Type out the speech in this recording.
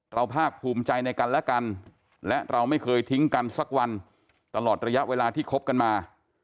ภาคภูมิใจในกันและกันและเราไม่เคยทิ้งกันสักวันตลอดระยะเวลาที่คบกันมา